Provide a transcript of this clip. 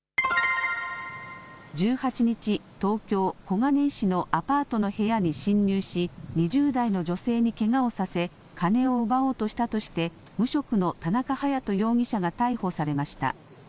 １８日、東京小金井市のアパートの部屋に侵入し２０代の女性にけがをさせ金を奪おうとしたとして無職の田中隼人容疑者が逮捕されました。